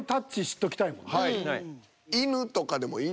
はい。